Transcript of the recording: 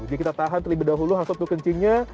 jadi kita tahan terlebih dahulu langsung ke kencingnya